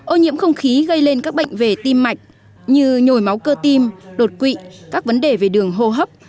ô nhiễm không khí gây lên các bệnh về tim mạch như nhồi máu cơ tim đột quỵ các vấn đề về đường hô hấp